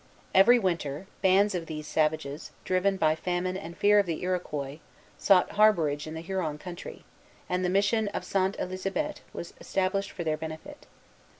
Every winter, bands of these savages, driven by famine and fear of the Iroquois, sought harborage in the Huron country, and the mission of Sainte Elisabeth was established for their benefit.